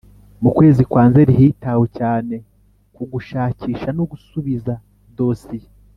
Mu kwezi kwa Nzeri hitawe cyane ku gushakisha no gusubiza dosiye.